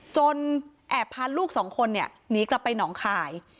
แอบพาลูกสองคนเนี่ยหนีกลับไปหนองคาย